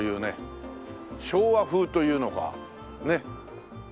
昭和風というのかねっ。